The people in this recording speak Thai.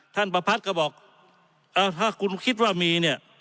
ท่านปภัฒน์ก็บอกถ้าคุณคิดว่ามี